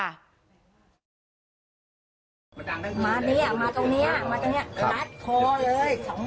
มาเนี้ยมาตรงเนี้ยมาตรงเนี้ยค่ะรัดคอเลยสองมือเลย